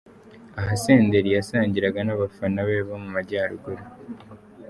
Aha Senderi yasangiraga n’abafana be bo mu majyaruguru.